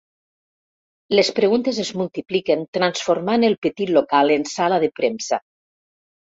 Les preguntes es multipliquen transformant el petit local en sala de premsa.